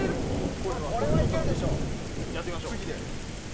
これはいけるでしょう。